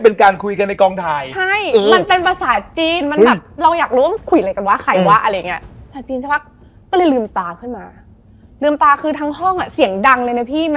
เพราะว่าเราก็รู้สึกดีอันนั้นเรามารู้ที่หลังนะ